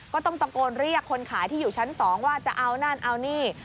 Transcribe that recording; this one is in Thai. ก็ต้องตะโกนเรียกคนขายที่อยู่ชั้น๒ว่าจะเอานั่นเอานี่